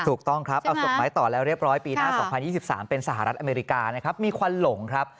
ถูกต้องครับเอาส่งไม้ต่อแล้วเรียบร้อยปีหน้า๒๐๒๓เป็นสหรัฐอเมริกานะครับมีควันหลงครับ